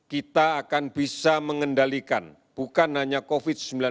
kita akan bisa mengendalikan bukan hanya covid sembilan belas